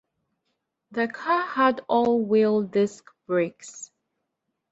The car had all wheel disc brakes.